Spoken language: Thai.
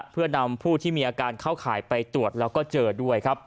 เพื่อนำผู้ที่มีอาการเข้าข่ายไปตรวจแล้วก็เจอด้วยครับ